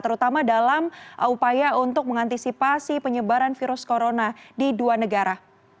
terutama dalam upaya untuk mengantisipasi penyebaran virus corona di dua negara